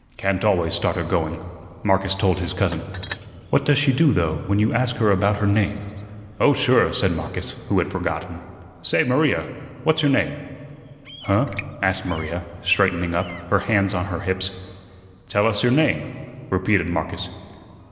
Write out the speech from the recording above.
"Can't always start her going," Marcus told his cousin. "What does she do, though, when you ask her about her name?" "Oh, sure," said Marcus, who had forgotten. "Say, Maria, what's your name?" "Huh?" asked Maria, straightening up, her hands on he hips. "Tell us your name," repeated Marcus.